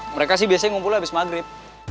mereka sih biasanya ngumpul abis maghrib